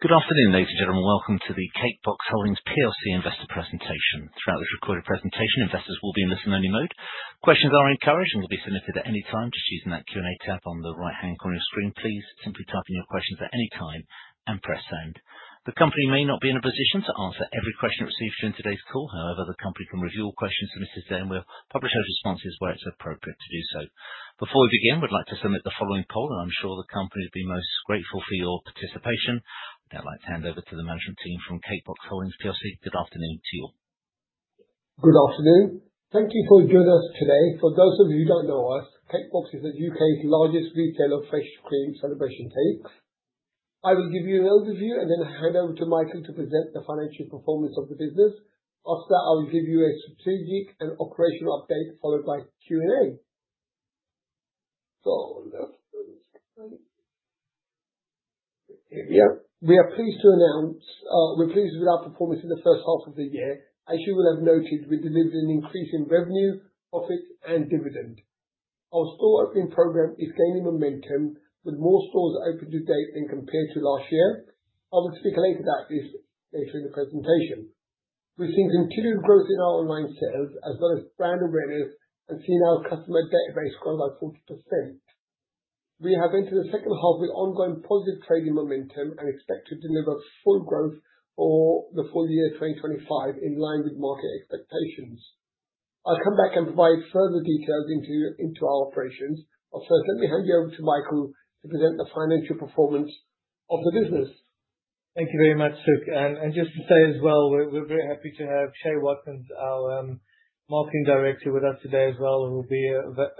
Good afternoon, ladies and gentlemen. Welcome to the Cake Box Holdings PLC investor presentation. Throughout this recorded presentation, investors will be in listen-only mode. Questions are encouraged and can be submitted at any time. Just using that Q&A tab on the right-hand corner of your screen, please simply type in your questions at any time and press send. The company may not be in a position to answer every question it receives during today's call. However, the company can review all questions submitted today and will publish those responses where it's appropriate to do so. Before we begin, we'd like to submit the following poll, and I'm sure the company would be most grateful for your participation. I'd now like to hand over to the management team from Cake Box Holdings PLC. Good afternoon to you. Good afternoon. Thank you for joining us today. For those of you who don't know us, Cake Box is the U.K.'s largest retailer of fresh cream celebration cakes. I will give you an overview and then hand over to Michael to present the financial performance of the business. After that, I'll give you a strategic and operational update, followed by Q&A. So let's go. Here we are. We are pleased to announce we're pleased with our performance in the first half of the year. As you will have noted, we delivered an increase in revenue, profit, and dividend. Our store opening program is gaining momentum, with more stores open to date than compared to last year. I will speak later about this in the presentation. We've seen continued growth in our online sales, as well as brand awareness, and seen our customer database grow by 40%. We have entered the second half with ongoing positive trading momentum and expect to deliver full growth for the full year 2025 in line with market expectations. I'll come back and provide further details into our operations. But first, let me hand you over to Michael to present the financial performance of the business. Thank you very much, Sukh, and just to say as well, we're very happy to have Chay Watkins, our marketing director, with us today as well, who will be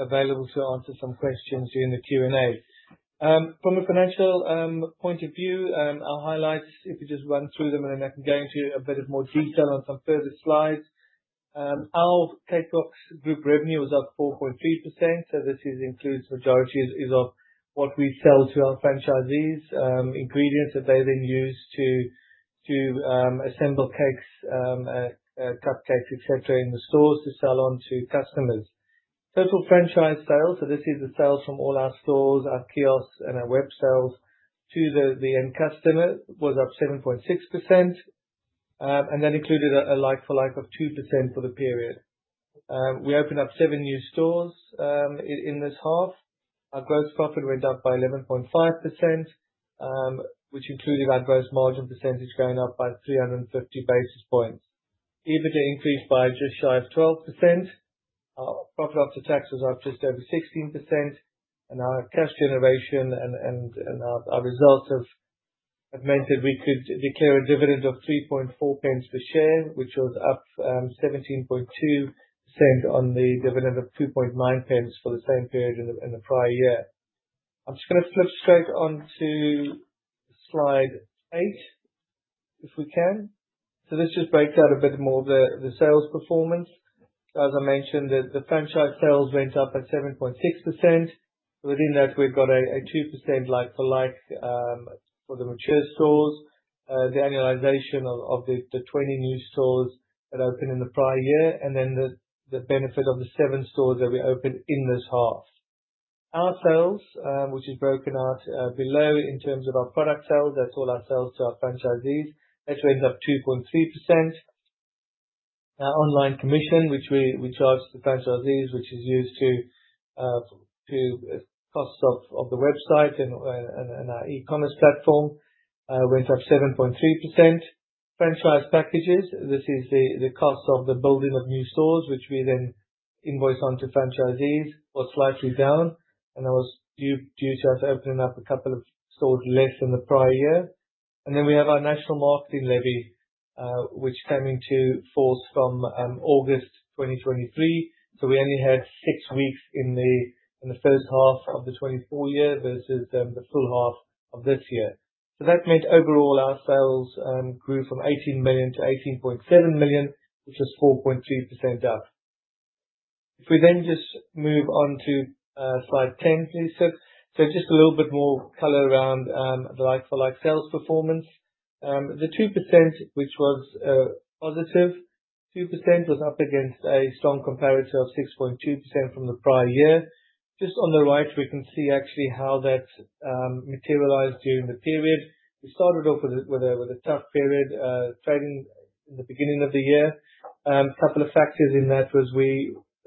available to answer some questions during the Q&A. From a financial point of view, I'll highlight, if you just run through them, and then I can go into a bit of more detail on some further slides. Our Cake Box Group revenue was up 4.3%, so this includes the majority of what we sell to our franchisees, ingredients that they then use to assemble cakes, cupcakes, etc., in the stores to sell on to customers. Total franchise sales, so this is the sales from all our stores, our kiosks, and our web sales to the end customer, was up 7.6%, and that included a like-for-like of 2% for the period. We opened up seven new stores in this half. Our gross profit went up by 11.5%, which included our gross margin percentage going up by 350 basis points. EBITDA increased by just shy of 12%. Our profit after tax was up just over 16%, and our cash generation and our results have meant that we could declare a dividend of 0.034 per share, which was up 17.2% on the dividend of 0.029 for the same period in the prior year. I'm just going to flip straight on to slide eight, if we can, so this just breaks out a bit more of the sales performance. As I mentioned, the franchise sales went up by 7.6%. Within that, we've got a 2% like-for-like for the mature stores, the annualization of the 20 new stores that opened in the prior year, and then the benefit of the seven stores that we opened in this half. Our sales, which is broken out below in terms of our product sales, that's all our sales to our franchisees, that went up 2.3%. Our online commission, which we charge to the franchisees, which is used to costs of the website and our e-commerce platform, went up 7.3%. Franchise packages, this is the cost of the building of new stores, which we then invoice onto franchisees, was slightly down, and that was due to us opening up a couple of stores less than the prior year. And then we have our National Marketing Levy, which came into force from August 2023. So we only had six weeks in the first half of the 2024 year versus the full half of this year. So that meant overall our sales grew from 18 million to 18.7 million, which was 4.3% up. If we then just move on to slide 10, please, Sukh. So just a little bit more color around the like-for-like sales performance. The 2%, which was positive, 2% was up against a strong comparator of 6.2% from the prior year. Just on the right, we can see actually how that materialized during the period. We started off with a tough period trading in the beginning of the year. A couple of factors in that was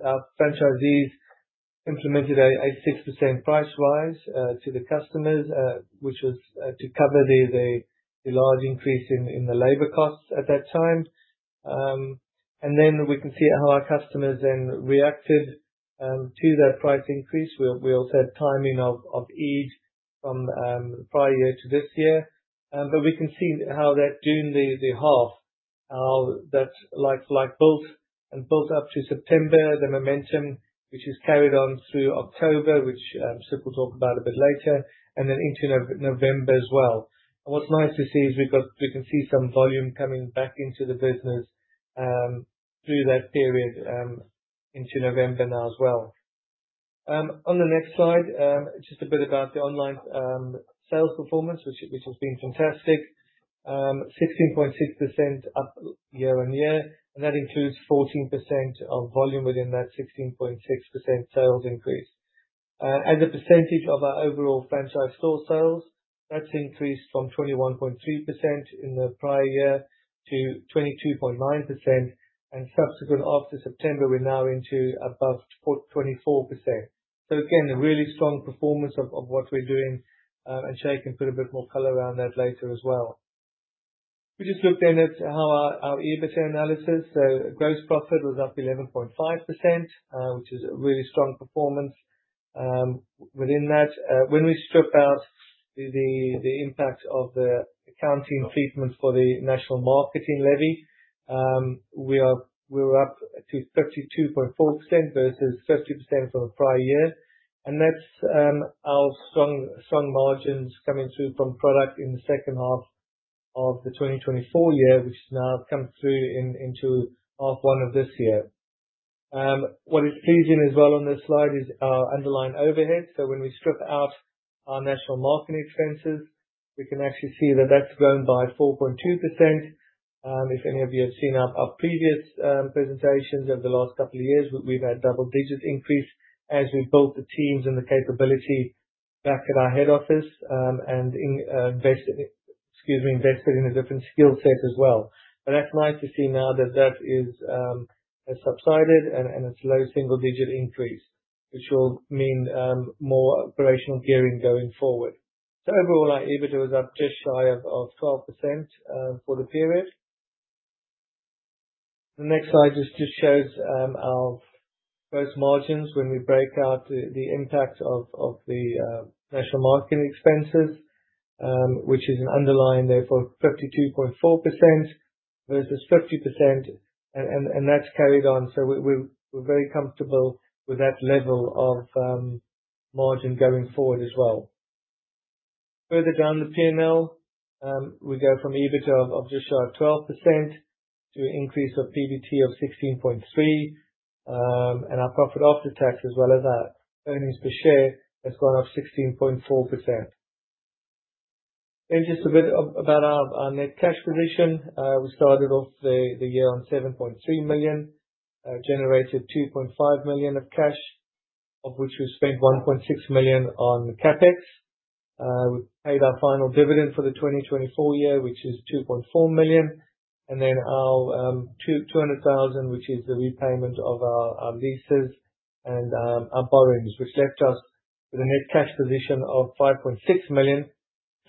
our franchisees implemented a 6% price rise to the customers, which was to cover the large increase in the labor costs at that time. And then we can see how our customers then reacted to that price increase. We also had timing of Eid from the prior year to this year. But we can see how that during the half, that like-for-like built and built up to September, the momentum, which has carried on through October, which Sukh will talk about a bit later, and then into November as well. And what's nice to see is we can see some volume coming back into the business through that period into November now as well. On the next slide, just a bit about the online sales performance, which has been fantastic, 16.6% up year on year. And that includes 14% of volume within that 16.6% sales increase. As a percentage of our overall franchise store sales, that's increased from 21.3% in the prior year to 22.9%. And subsequent after September, we're now into above 24%. So again, a really strong performance of what we're doing. And Chay can put a bit more color around that later as well. We just looked in at our EBITDA analysis, so gross profit was up 11.5%, which is a really strong performance. Within that, when we strip out the impact of the accounting treatment for the National Marketing Levy, we were up to 32.4% versus 30% from the prior year, and that's our strong margins coming through from product in the second half of the 2024 year, which has now come through into half one of this year. What is pleasing as well on this slide is our underlying overhead, so when we strip out our National Marketing expenses, we can actually see that that's grown by 4.2%. If any of you have seen our previous presentations over the last couple of years, we've had a double-digit increase as we built the teams and the capability back at our head office and invested in a different skill set as well. But that's nice to see now that that has subsided and a slow single-digit increase, which will mean more operational gearing going forward. So overall, our EBITDA was up just shy of 12% for the period. The next slide just shows our gross margins when we break out the impact of the national marketing expenses, which is an underlying there for 32.4% versus 50%. And that's carried on. So we're very comfortable with that level of margin going forward as well. Further down the P&L, we go from EBITDA of just shy of 12% to an increase of PBT of 16.3%. And our profit after tax, as well as our earnings per share, has gone up 16.4%. Then just a bit about our net cash position. We started off the year on 7.3 million, generated 2.5 million of cash, of which we spent 1.6 million on CapEx. We paid our final dividend for the 2024 year, which is 2.4 million, and then our 200,000, which is the repayment of our leases and our borrowings, which left us with a net cash position of 5.6 million,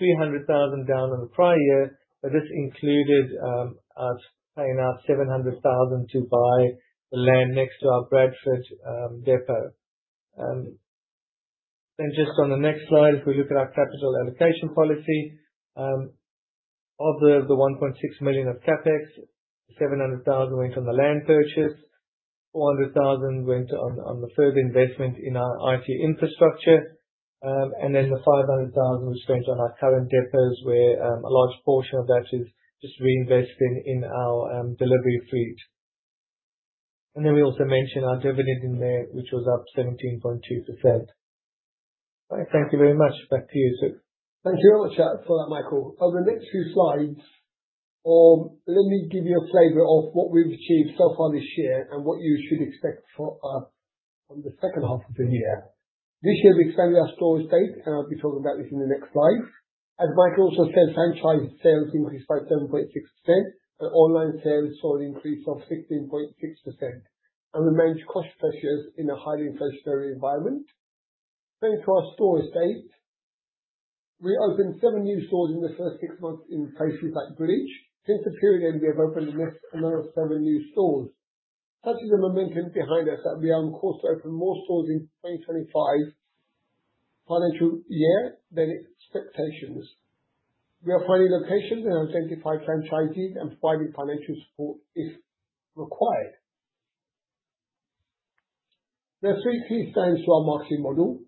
300,000 down in the prior year, but this included us paying out 700,000 to buy the land next to our Bradford depot, then just on the next slide, if we look at our capital allocation policy, of the 1.6 million of CapEx, 700,000 went on the land purchase, 400,000 went on the further investment in our IT infrastructure, and then the 500,000 was spent on our current depots, where a large portion of that is just reinvesting in our delivery fleet, and then we also mentioned our dividend in there, which was up 17.2%. Thank you very much. Back to you, Sukh. Thank you very much for that, Michael. On the next few slides, let me give you a flavor of what we've achieved so far this year and what you should expect from us on the second half of the year. This year, we expanded our store estate, and I'll be talking about this in the next slides. As Michael also said, franchise sales increased by 7.6%, and online sales saw an increase of 16.6%, and we managed cost pressures in a highly inflationary environment, then to our store estate, we opened seven new stores in the first six months in places like Bruges. Since the period end, we have opened another seven new stores. Such is the momentum behind us that we are on course to open more stores in 2025 financial year than expectations. We are finding locations and identifying franchisees and providing financial support if required. There are three key strands to our marketing model: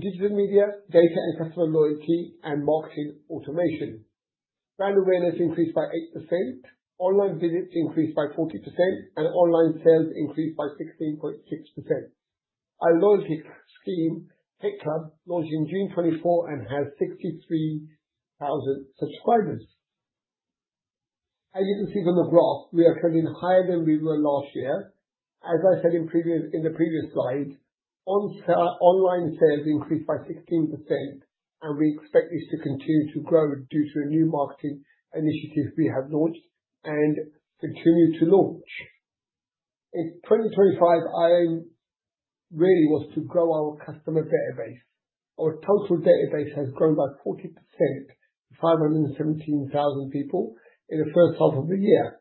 digital media, data and customer loyalty, and marketing automation. Brand awareness increased by 8%, online visits increased by 40%, and online sales increased by 16.6%. Our loyalty scheme, Cake Club, launched in June 2024 and has 63,000 subscribers. As you can see from the graph, we are trending higher than we were last year. As I said in the previous slide, online sales increased by 16%, and we expect this to continue to grow due to a new marketing initiative we have launched and continue to launch. In 2025, our aim really was to grow our customer database. Our total database has grown by 40% to 517,000 people in the first half of the year.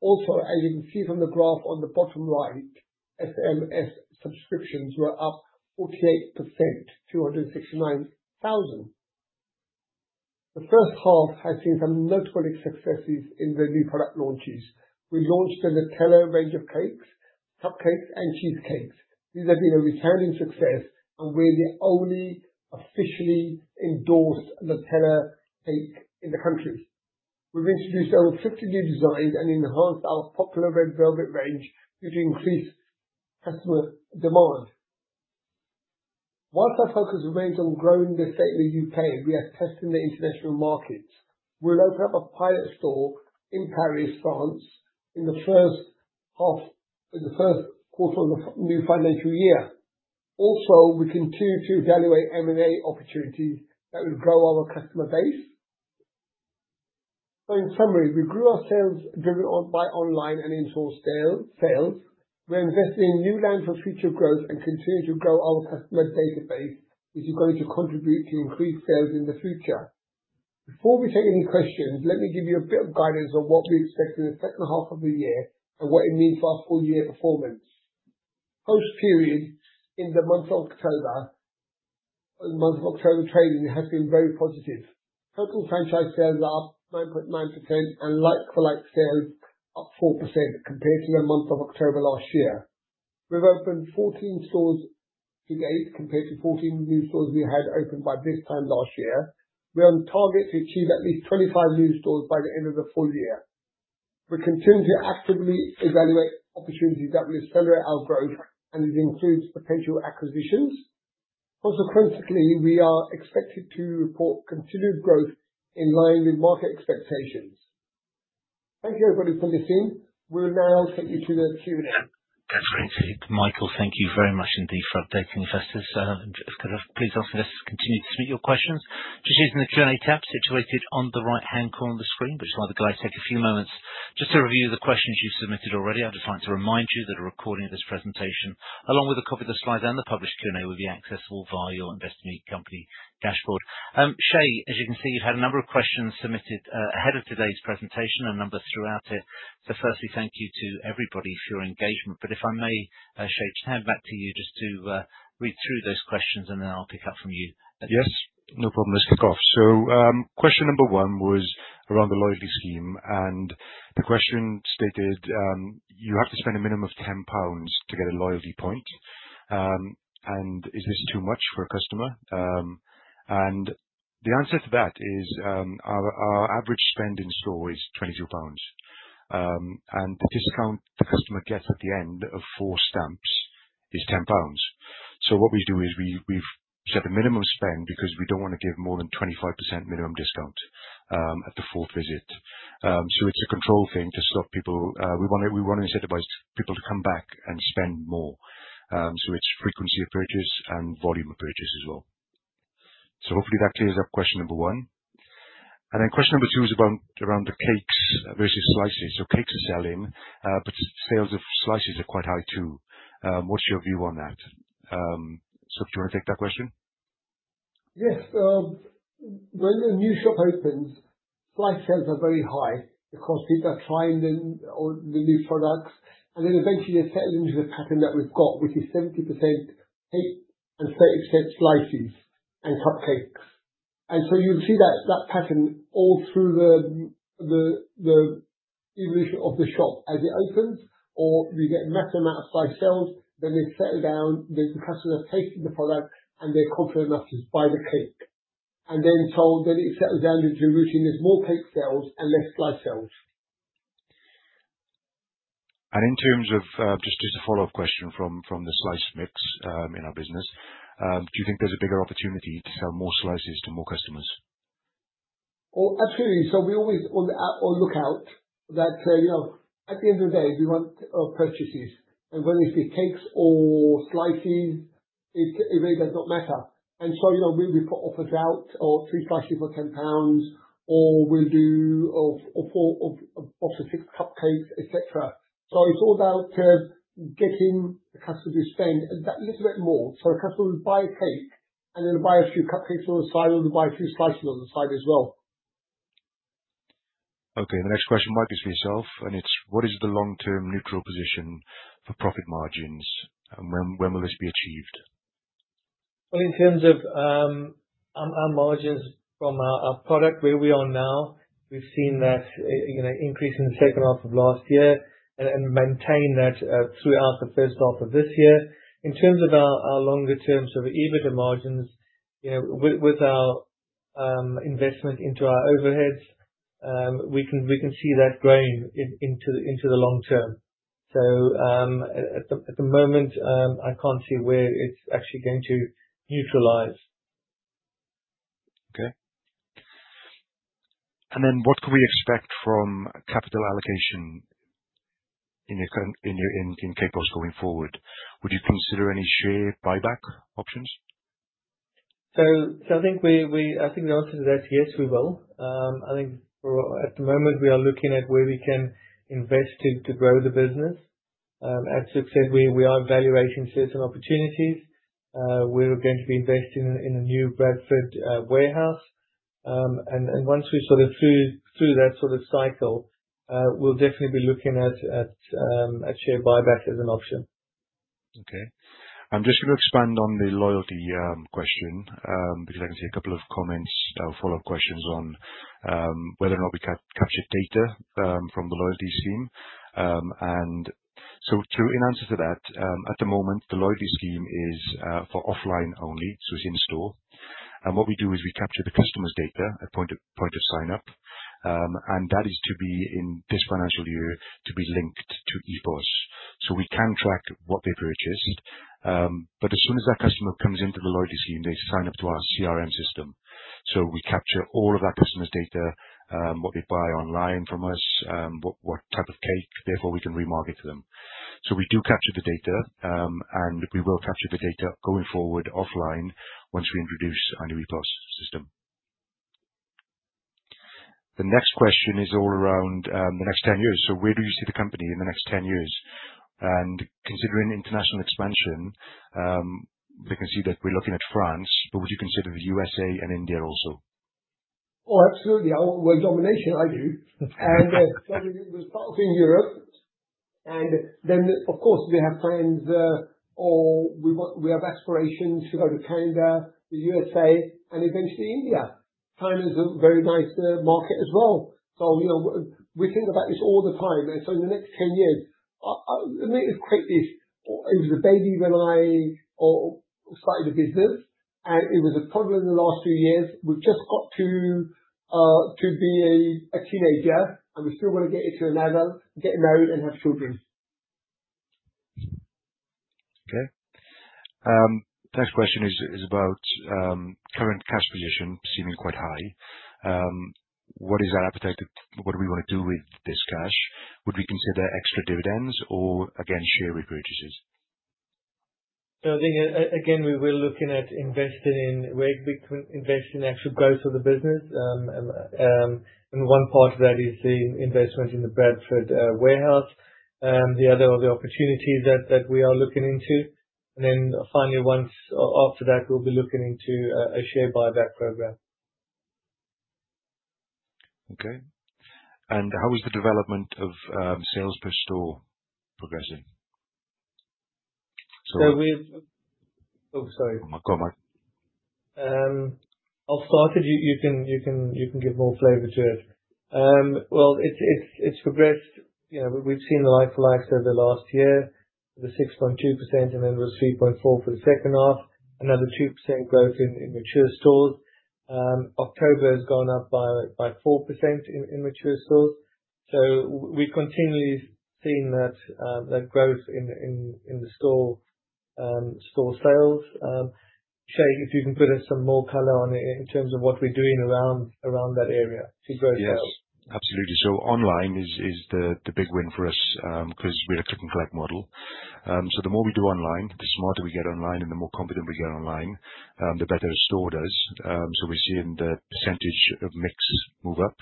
Also, as you can see from the graph on the bottom right, SMS subscriptions were up 48% to 169,000. The first half has seen some noteworthy successes in the new product launches. We launched the Nutella Range of cakes, cupcakes, and cheesecakes. These have been a resounding success and were the only officially endorsed Nutella cake in the country. We've introduced over 50 new designs and enhanced our popular Red Velvet Range due to increased customer demand. Whilst our focus remains on growing the estate in the U.K., we are testing the international markets. We'll open up a pilot store in Paris, France, in the first quarter of the new financial year. Also, we continue to evaluate M&A opportunities that will grow our customer base. So in summary, we grew our sales driven by online and in-store sales. We're investing in new land for future growth and continue to grow our customer database, which is going to contribute to increased sales in the future. Before we take any questions, let me give you a bit of guidance on what we expect in the second half of the year and what it means for our full-year performance. Post-period, in the month of October, trading has been very positive. Total franchise sales are up 9.9% and like-for-like sales up 4% compared to the month of October last year. We've opened 14 stores to date compared to 14 new stores we had opened by this time last year. We're on target to achieve at least 25 new stores by the end of the full year. We continue to actively evaluate opportunities that will accelerate our growth and include potential acquisitions. Consequently, we are expected to report continued growth in line with market expectations. Thank you, everybody, for listening. We will now take you to the Q&A. Excellent. Michael, thank you very much indeed for updating us. Just kind of please ask us to continue to submit your questions. Just using the Q&A tab situated on the right-hand corner of the screen, which is why the guys take a few moments. Just to review the questions you've submitted already, I'd just like to remind you that a recording of this presentation, along with a copy of the slides and the published Q&A, will be accessible via your Investor Meet Company dashboard. Chay, as you can see, you've had a number of questions submitted ahead of today's presentation and a number throughout it. So firstly, thank you to everybody for your engagement. But if I may, Chay, just hand back to you just to read through those questions, and then I'll pick up from you. Yes? No problem. Let's kick off. So question number one was around the loyalty scheme. And the question stated, you have to spend a minimum of 10 pounds to get a loyalty point. And is this too much for a customer? And the answer to that is our average spend in store is 22 pounds. And the discount the customer gets at the end of four stamps is 10 pounds. So what we do is we've set a minimum spend because we don't want to give more than 25% minimum discount at the fourth visit. So it's a control thing to stop people. We want to incentivize people to come back and spend more. So it's frequency of purchase and volume of purchase as well. So hopefully that clears up question number one. And then question number two is around the cakes versus slices. So cakes are selling, but sales of slices are quite high too. What's your view on that? Sukh, do you want to take that question? Yes. So when a new shop opens, slice sales are very high because people are trying the new products. And then eventually, they settle into the pattern that we've got, which is 70% cake and 30% slices and cupcakes. And so you'll see that pattern all through the evolution of the shop as it opens, or you get a massive amount of slice sales, then they settle down, the customers have tasted the product, and they're confident enough to buy the cake. And then it settles down into routine as more cake sales and less slice sales. In terms of just a follow-up question from the slice mix in our business, do you think there's a bigger opportunity to sell more slices to more customers? Oh, absolutely. So we always look out that at the end of the day, we want purchases. And whether it's the cakes or slices, it really does not matter. And so we put offers out or three slices for 10 pounds, or we'll do a box of six cupcakes, etc. So it's all about getting the customer to spend that little bit more. So a customer will buy a cake, and then they'll buy a few cupcakes on the side, or they'll buy a few slices on the side as well. Okay. The next question, Michael, is for yourself, and it's, "What is the long-term neutral position for profit margins? And when will this be achieved? In terms of our margins from our product, where we are now, we've seen that increase in the second half of last year and maintained that throughout the first half of this year. In terms of our longer-term sort of EBITDA margins, with our investment into our overheads, we can see that growing into the long term. So at the moment, I can't see where it's actually going to neutralize. Okay. And then what can we expect from capital allocation in Cake Box going forward? Would you consider any share buyback options? I think the answer to that is yes, we will. I think at the moment, we are looking at where we can invest to grow the business. As Sukh said, we are evaluating certain opportunities. We're going to be investing in a new Bradford warehouse. And once we're sort of through that sort of cycle, we'll definitely be looking at share buyback as an option. Okay. I'm just going to expand on the loyalty question because I can see a couple of comments or follow-up questions on whether or not we captured data from the loyalty scheme. And so in answer to that, at the moment, the loyalty scheme is for offline only, so it's in store. And what we do is we capture the customer's data at point of sign-up. And that is to be, in this financial year, to be linked to EPOS so we can track what they purchased. But as soon as that customer comes into the loyalty scheme, they sign up to our CRM system. So we capture all of that customer's data, what they buy online from us, what type of cake, therefore we can remarket to them. So we do capture the data, and we will capture the data going forward offline once we introduce our new EPOS system. The next question is all around the next 10 years. So where do you see the company in the next 10 years? And considering international expansion, we can see that we're looking at France, but would you consider the USA and India also? Oh, absolutely. Well, domination, I do. And it was part of Europe. And then, of course, we have plans, or we have aspirations to go to Canada, the USA, and eventually India. China is a very nice market as well. So we think about this all the time. So in the next 10 years, let me just create this. It was a baby when I started the business, and it was a problem in the last few years. We've just got to be a teenager, and we still want to get into another, get married, and have children. Okay. The next question is about current cash position seeming quite high. What is our appetite? What do we want to do with this cash? Would we consider extra dividends or, again, share repurchases? So I think, again, we were looking at investing in actually growth of the business. And one part of that is the investment in the Bradford warehouse, the other are the opportunities that we are looking into. And then finally, after that, we'll be looking into a share buyback program. Okay, and how is the development of sales per store progressing? Oh, sorry. Oh, my. Go Mike. I'll start it. You can give more flavor to it. It's progressed. We've seen the like-for-like over the last year, the 6.2%, and then it was 3.4% for the second half, another 2% growth in mature stores. October has gone up by 4% in mature stores. We've continually seen that growth in the store sales. Chay, if you can give us some more color on it in terms of what we're doing around that area to grow sales. Yes, absolutely. So online is the big win for us because we're a click-and-collect model. So the more we do online, the smarter we get online, and the more competent we get online, the better a store does. So we're seeing the percentage of mix move up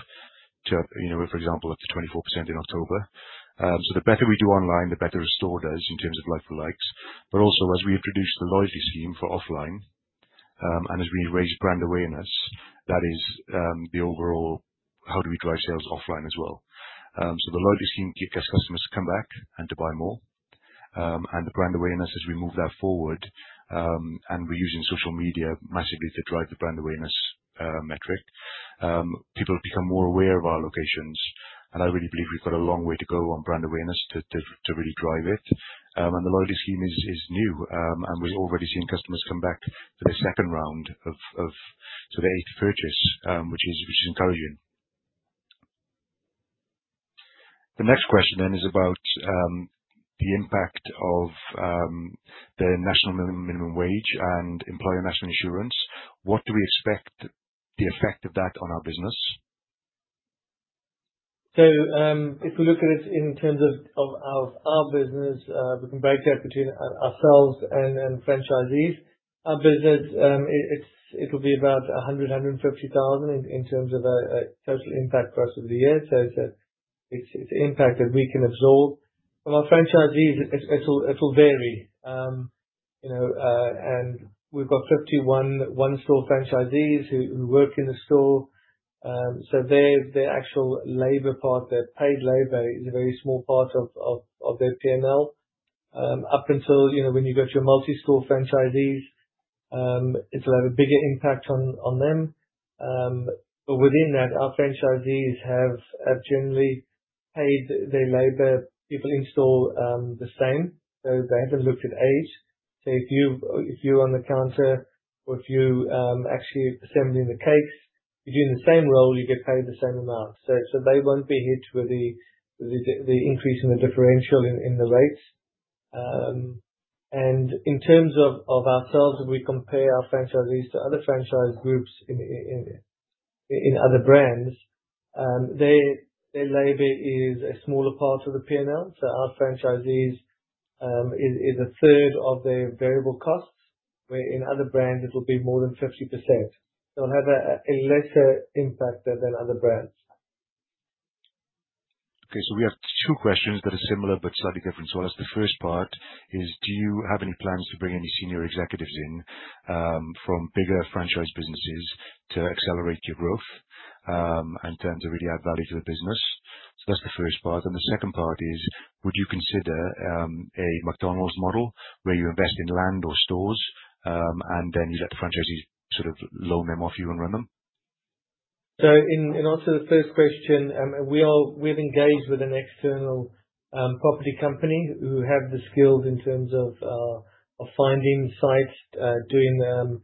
to, for example, up to 24% in October. So the better we do online, the better a store does in terms of like-for-like. But also, as we introduce the loyalty scheme for offline and as we raise brand awareness, that is the overall how do we drive sales offline as well. So the loyalty scheme gets customers to come back and to buy more. And the brand awareness, as we move that forward, and we're using social media massively to drive the brand awareness metric, people become more aware of our locations. And I really believe we've got a long way to go on brand awareness to really drive it. And the loyalty scheme is new, and we're already seeing customers come back for their second round of sort of eighth purchase, which is encouraging. The next question then is about the impact of the national minimum wage and employer national insurance. What do we expect the effect of that on our business? So if we look at it in terms of our business, we can break that between ourselves and franchisees. Our business, it'll be about 100,000-150,000 in terms of a total impact price of the year. So it's an impact that we can absorb. Our franchisees, it'll vary. And we've got 51 one-store franchisees who work in the store. So their actual labor part, their paid labor, is a very small part of their P&L. Up until when you go to your multi-store franchisees, it'll have a bigger impact on them. But within that, our franchisees have generally paid their labor. People in store the same. So they haven't looked at age. So if you're on the counter or if you're actually assembling the cakes, you're doing the same role, you get paid the same amount. So they won't be hit with the increase in the differential in the rates. And in terms of ourselves, if we compare our franchisees to other franchise groups in other brands, their labor is a smaller part of the P&L. So our franchisees is a third of their variable costs, where in other brands, it'll be more than 50%. So it'll have a lesser impact than other brands. Okay. So we have two questions that are similar but slightly different. So I'll ask. The first part is, do you have any plans to bring any senior executives in from bigger franchise businesses to accelerate your growth and to really add value to the business? So that's the first part. And the second part is, would you consider a McDonald's model where you invest in land or stores and then you let the franchisees sort of lease them from you and run them? So in answer to the first question, we have engaged with an external property company who have the skills in terms of finding sites, doing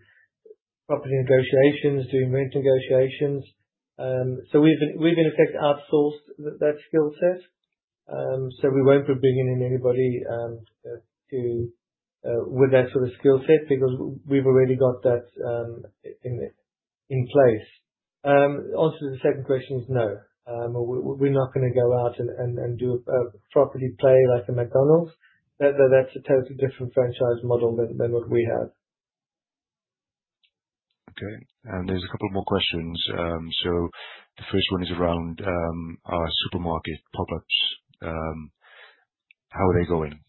property negotiations, doing rent negotiations. So we've in effect outsourced that skill set. So we won't be bringing in anybody with that sort of skill set because we've already got that in place. The answer to the second question is no. We're not going to go out and do a property play like a McDonald's. That's a totally different franchise model than what we have. Okay. And there's a couple more questions. So the first one is around our supermarket pop-ups. How are they going?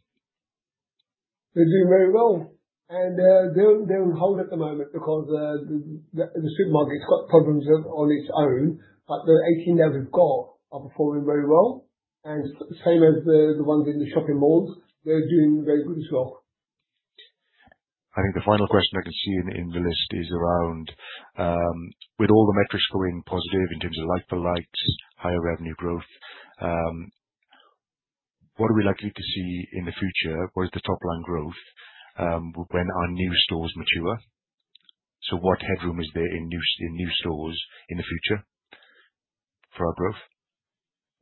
They're doing very well. And they're on hold at the moment because the supermarket's got problems on its own. But the 18 that we've got are performing very well. And same as the ones in the shopping malls, they're doing very good as well. I think the final question I can see in the list is around with all the metrics going positive in terms of like-for-likes, higher revenue growth, what are we likely to see in the future? What is the top-line growth when our new stores mature? So what headroom is there in new stores in the future for our growth?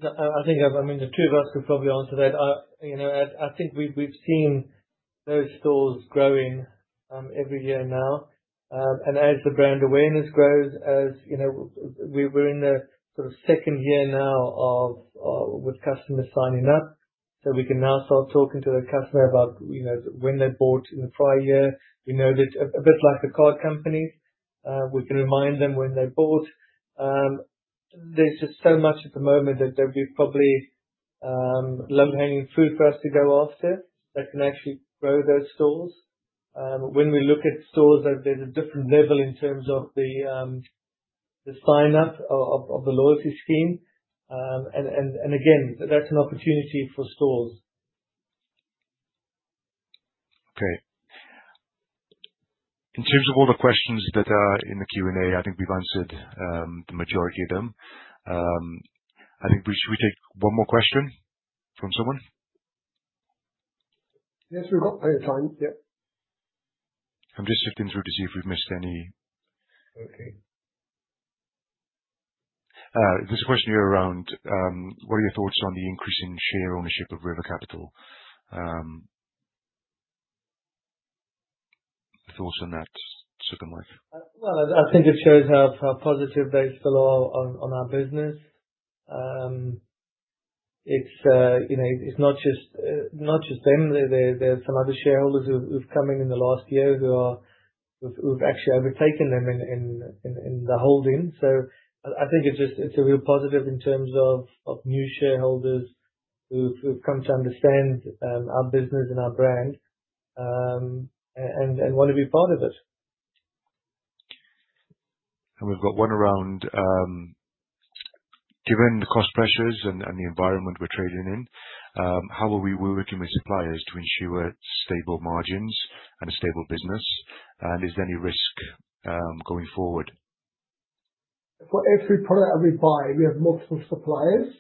I think, I mean, the two of us could probably answer that. I think we've seen those stores growing every year now. And as the brand awareness grows, we're in the sort of second year now with customers signing up. So we can now start talking to the customer about when they bought in the prior year. We know that a bit like the card companies, we can remind them when they bought. There's just so much at the moment that there'll be probably low-hanging fruit for us to go after that can actually grow those stores. When we look at stores, there's a different level in terms of the sign-up of the loyalty scheme. And again, that's an opportunity for stores. Okay. In terms of all the questions that are in the Q&A, I think we've answered the majority of them. I think we should take one more question from someone? Yes, we've got plenty of time. Yeah. I'm just sifting through to see if we've missed any. Okay. There's question here around what are your thoughts on the increase in share ownership of River Capital? Thoughts on that second one? I think it shows how positive they feel on our business. It's not just them. There are some other shareholders who've come in in the last year who've actually overtaken them in the holding. I think it's a real positive in terms of new shareholders who've come to understand our business and our brand and want to be part of it. And we've got one around, given the cost pressures and the environment we're trading in, how are we working with suppliers to ensure stable margins and a stable business? And is there any risk going forward? For every product that we buy, we have multiple suppliers.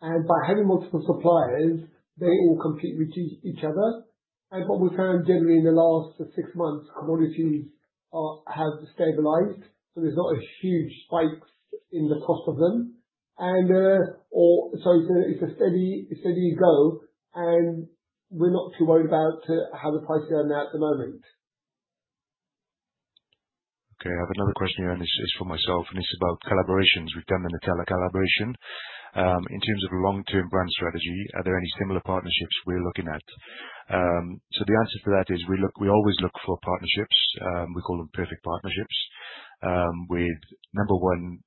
And by having multiple suppliers, they all compete with each other. And what we've found generally in the last six months, commodities have stabilized. So there's not a huge spike in the cost of them. And so it's a steady go. And we're not too worried about how the prices are now at the moment. Okay. I have another question here, and it's for myself. And it's about collaborations. We've done the Nutella collaboration. In terms of long-term brand strategy, are there any similar partnerships we're looking at? So the answer to that is we always look for partnerships. We call them perfect partnerships with, number one,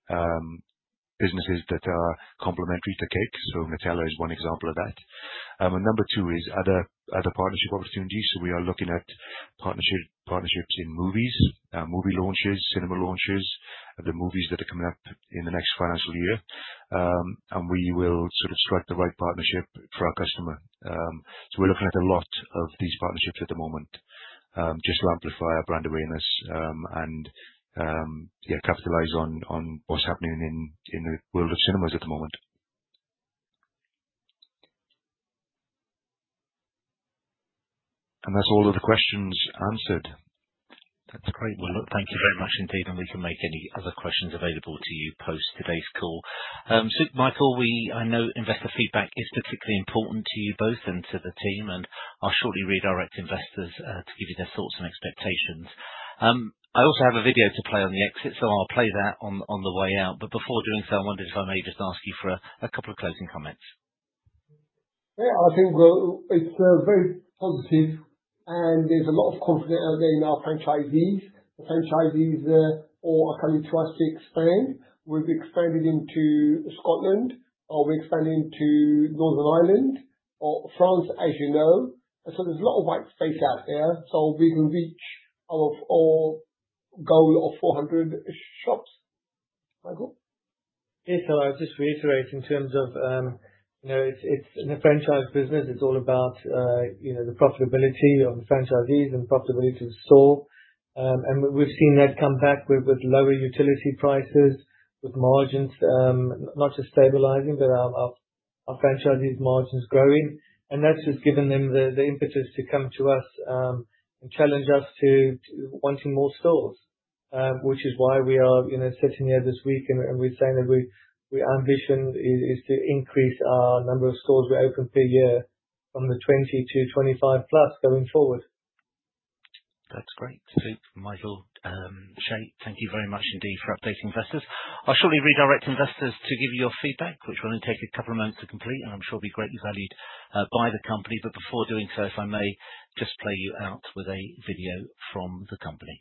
businesses that are complementary to cake. So Nutella is one example of that. And number two is other partnership opportunities. So we are looking at partnerships in movies, movie launches, cinema launches, the movies that are coming up in the next financial year. And we will sort of strike the right partnership for our customer. So we're looking at a lot of these partnerships at the moment just to amplify our brand awareness and, yeah, capitalize on what's happening in the world of cinemas at the moment. And that's all of the questions answered. That's great. Look, thank you very much indeed. And we can make any other questions available to you post today's call. So, Michael, I know investor feedback is particularly important to you both and to the team. And I'll shortly redirect investors to give you their thoughts and expectations. I also have a video to play on the exit, so I'll play that on the way out. But before doing so, I wondered if I may just ask you for a couple of closing comments. Yeah. I think it's very positive, and there's a lot of confidence out there in our franchisees. The franchisees are coming to us to expand. We've expanded into Scotland. We're expanding to Northern Ireland, France, as you know, so there's a lot of white space out there, so we can reach our goal of 400 shops. Michael? Yeah. So I'll just reiterate in terms of it's in the franchise business. It's all about the profitability of the franchisees and the profitability of the store. And we've seen that come back with lower utility prices, with margins not just stabilizing, but our franchisees' margins growing. And that's just given them the impetus to come to us and challenge us to wanting more stores, which is why we are sitting here this week and we're saying that we ambition is to increase our number of stores we open per year from 20-25 plus going forward. That's great. Sukh, Michael, Chay, thank you very much indeed for updating investors. I'll shortly redirect investors to give you your feedback, which will only take a couple of moments to complete, and I'm sure it'll be greatly valued by the company. But before doing so, if I may just play you out with a video from the company.